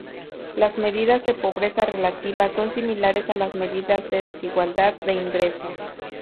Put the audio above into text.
Las medidas de pobreza relativa son similares a las medidas de desigualdad de ingreso.